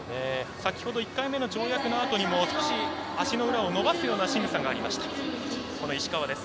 先ほど１回目の跳躍のあと少し足の裏を伸ばすようなしぐさがありました石川です。